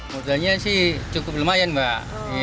modalnya sih cukup lumayan mbak